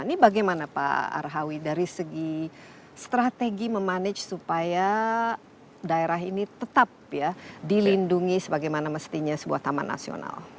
ini bagaimana pak arhawi dari segi strategi memanage supaya daerah ini tetap ya dilindungi sebagaimana mestinya sebuah taman nasional